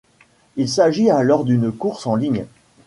Il s'agit alors d'une course en ligne.